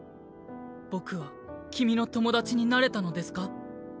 僕は君の友達になれたのですか？